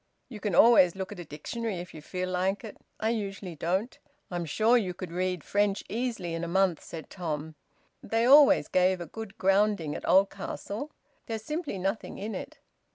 You can always look at a dictionary if you feel like it. I usually don't." "I'm sure you could read French easily in a month," said Tom. "They always gave a good grounding at Oldcastle. There's simply nothing in it."